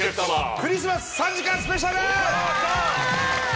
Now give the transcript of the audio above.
クリスマス３時間スペシャル！